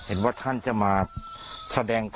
เอาเป็นว่าอ้าวแล้วท่านรู้จักแม่ชีที่ห่มผ้าสีแดงไหม